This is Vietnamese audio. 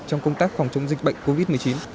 trong công tác phòng chống dịch bệnh covid một mươi chín